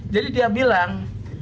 jadi dia bilang